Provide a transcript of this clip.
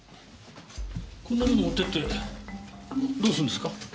こんなもの持ってってどうするんですか？